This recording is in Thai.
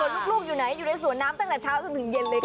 ลูกอยู่ไหนอยู่ในสวนน้ำตั้งแต่เช้าจนถึงเย็นเลยค่ะ